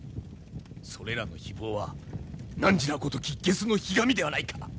それらのひぼうはなんじらごとき下司のひがみではないか。